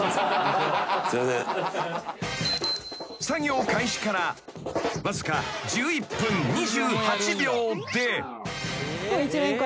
［作業開始からわずか１１分２８秒で］